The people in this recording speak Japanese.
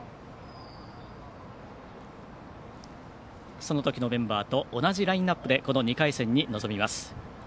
そのときのメンバーと同じラインナップで２回戦に臨みます。